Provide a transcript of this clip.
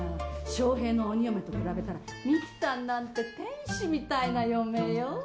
正平の鬼嫁と比べたら美樹さんなんて天使みたいな嫁よ。